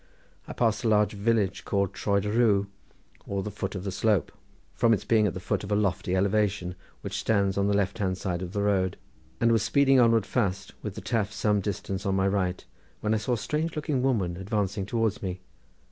I passed a large village called Troed y Rhiw, or the foot of the slope, from its being at the foot of a lofty elevation, which stands on the left hand side of the road, and was speeding onwards fast, with the Taf at some distance on my right, when I saw a strange looking woman advancing towards me.